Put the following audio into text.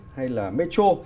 hay là metro